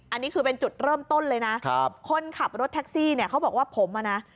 อันนี้คือเป็นจุดเริ่มต้นเลยนะครับคนขับรถแท็กซี่เนี่ยเขาบอกว่าผมอ่ะนะ